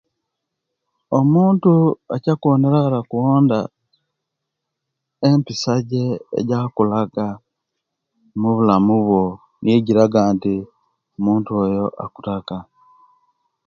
Omuntu ekyakuwoneraku nti akwonda empisa je ejakulaga mubulamu bwo nijo ejilaga nti omuntu oyo akutaka